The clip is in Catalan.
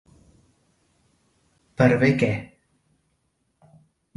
Per bé que.